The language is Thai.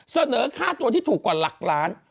เสนอค่าตัวที่ถูกกว่าหลักล้าน